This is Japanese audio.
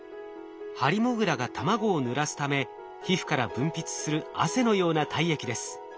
ハリモグラが卵をぬらすため皮膚から分泌する汗のような体液です。